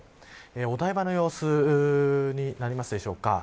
お台場の様子になりますでしょうか。